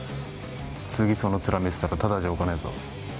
次、その面見せたらただじゃおかねーぞ！